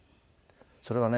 「それはね